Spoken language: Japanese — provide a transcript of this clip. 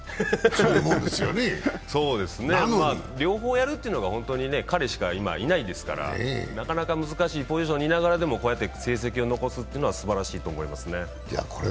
そうですね、両方やるっていうのは彼しか今、いないからなかなか難しいポジションにいながらもこうやって成績を残すっていうのはすばらしいと思いますね。